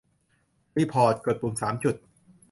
รีพอร์ต : กดปุ่มสามจุด